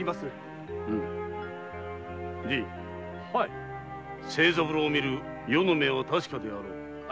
じい清三郎を見る余の目は確かであろう。